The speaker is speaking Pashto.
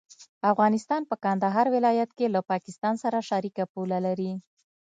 افغانستان په کندهار ولايت کې له پاکستان سره شریکه پوله لري.